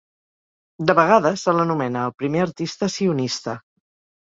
De vegades se l'anomena el primer artista sionista.